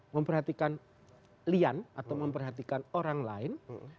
memperhatikan lian atau memperhatikan orang lain